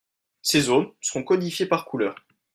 Ces zones seront codifiés par couleurs